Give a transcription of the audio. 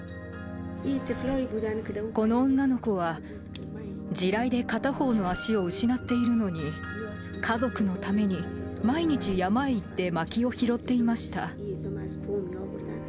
この女の子は、地雷で片方の足を失っているのに、家族のために毎日山へ行って、まきを拾っていました。